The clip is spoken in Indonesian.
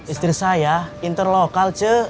istri saya interlokal ce